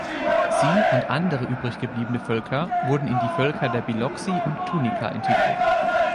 Sie und andere übrig gebliebene Völker wurden in die Völker der Biloxi und Tunica integriert.